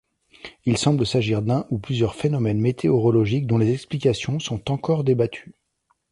Il semble s'agir d'un ou plusieurs phénomènes météorologiques dont les explications sont encore débattues.